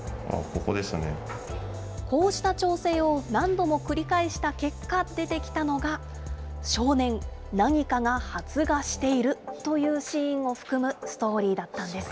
こうした調整を何度も繰り返した結果出てきたのが、少年、何かが発芽しているというシーンを含むストーリーだったんです。